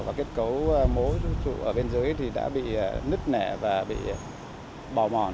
và kết cấu mố ở bên dưới thì đã bị nứt nẻ và bị bò mòn